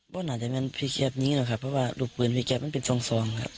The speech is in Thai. วันอาจจะเป็นพี่แค๊ปนี้แหละครับเพราะว่าลูกปืนพี่แค๊ปมันเป็นสองสองครับ